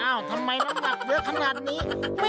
ทำไมน้ำหนักเยอะขนาดนี้